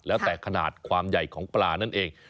แล้วแต่ขนาดความใหญ่ของปลานั่นเอง